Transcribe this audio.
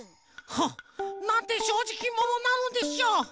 はっ！なんてしょうじきものなのでしょう！